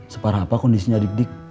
separa apa kondisinya adik adik